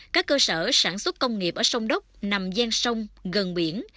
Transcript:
các cơ sở sản xuất công nghiệp ở sông đốc nằm giang sông gần biển